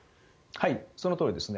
そのとおりですね。